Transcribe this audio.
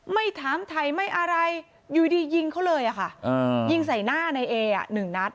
ไม่ถามถ่ายไม่อะไรอยู่ดียิงเขาเลยค่ะยิงใส่หน้าในเอหนึ่งนัด